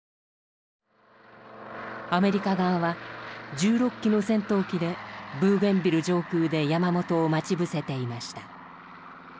アメリカ側は１６機の戦闘機でブーゲンビル上空で山本を待ち伏せていました。